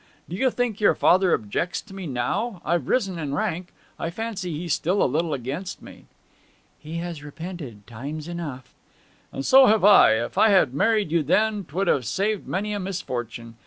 Do you think your father objects to me now? I've risen in rank. I fancy he's still a little against me.' 'He has repented, times enough.' 'And so have I! If I had married you then 'twould have saved many a misfortune.